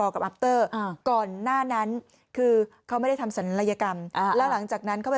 ก่อนหน้านั้นคือเขาไม่ได้ทำสัญลัยกรรมอ่าแล้วหลังจากนั้นเขาไป